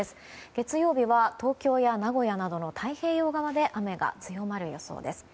月曜日は東京や名古屋などの太平洋側で雨が強まる予想です。